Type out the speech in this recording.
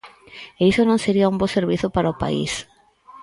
E iso non sería un bo servizo para o país.